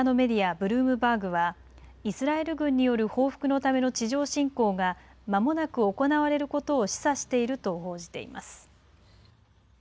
ブルームバーグはイスラエル軍による報復のための地上侵攻がまもなく行われることを示唆していると報じています。